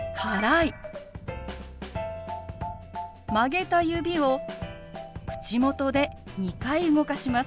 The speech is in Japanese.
曲げた指を口元で２回動かします。